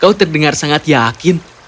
kau terdengar sangat yakin